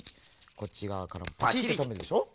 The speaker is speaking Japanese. こっちがわからもパチッととめるでしょ。